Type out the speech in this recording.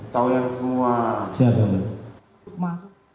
tahu yang semua